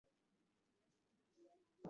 拉巴斯蒂多纳人口变化图示